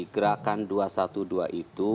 gerakan dua ratus dua belas itu